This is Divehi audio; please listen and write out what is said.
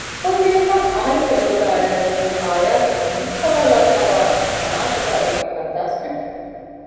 ކުއްލިއަކަށް އަހަރެންގެ ލޮލުގައި އަޅައިގަތީ އާޔާގެ މުއްކަވާލައިފައިވާ ކަނާއަތުގައި އޮތް ކަރުދާސް ގަނޑެއް